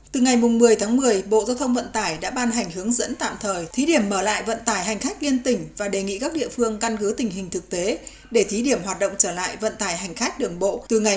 từ ngày một mươi tháng một mươi bộ giao thông vận tải đã ban hành hướng dẫn tạm thời thí điểm mở lại vận tải hành khách liên tỉnh và đề nghị các địa phương căn cứ tình hình thực tế để thí điểm hoạt động trở lại vận tải hành khách đường bộ từ ngày một mươi ba đến ngày hai mươi tháng một mươi